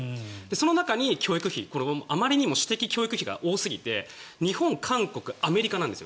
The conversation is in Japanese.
その中であまりにも私的教育費が大きくて日本、韓国、アメリカなんです。